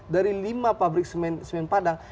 dari lima pabrik semen padang